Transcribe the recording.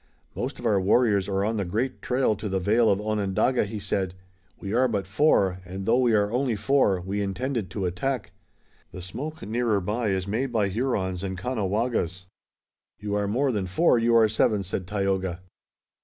"Most of our warriors are on the great trail to the vale of Onondaga," he said. "We are but four, and, though we are only four, we intended to attack. The smoke nearer by is made by Hurons and Caughnawagas." "You are more than four, you are seven," said Tayoga.